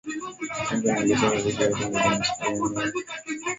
Kongo inaongeza zaidi ya watu milioni tisini